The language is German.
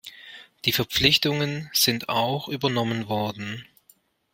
Die Verpflichtungen sind auch übernommen worden.